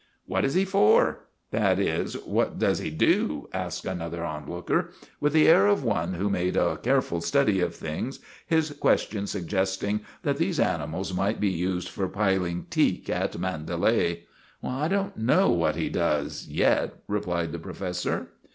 "What is he for? That is, what does he do?" asked another onlooker, with the air of one who made a careful study of things, his question sug gesting that these animals might be used for piling teak at Mandalay. " I don't know what he does yet," replied the professor.